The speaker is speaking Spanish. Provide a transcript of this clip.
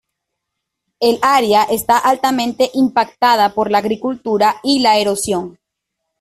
El área está altamente impactada por la agricultura y la erosión.